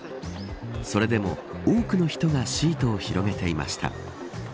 それでも多くの人がシートを広げていました。